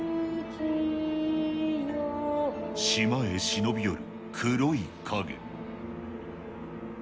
島へ忍び寄る黒い影。